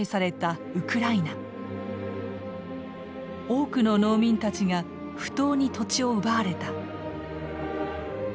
多くの農民たちが不当に土地を奪われた。